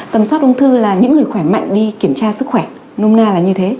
tầm soát ung thư là những người khỏe mạnh đi kiểm tra sức khỏe nôm na là như thế